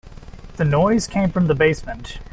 The noise came from the basement.